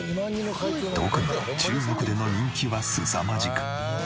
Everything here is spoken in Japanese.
特に中国での人気はすさまじく。